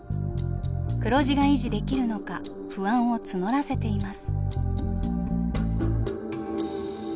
黒字が維持できるのか不安を募らせています。